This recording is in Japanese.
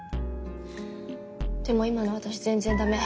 でも今の私全然ダメ。